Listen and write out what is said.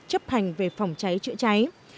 chấp hành về phòng cháy chữa cháy